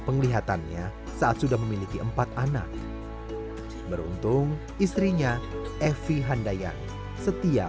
penglihatannya saat sudah memiliki empat anak beruntung istrinya evi handayani setia